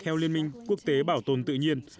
theo liên minh quốc tế bảo tồn tự nhiên